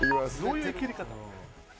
どういうイキり方？